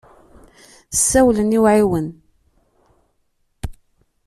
Ssawleɣ i uɛiwen.